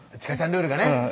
ルールがね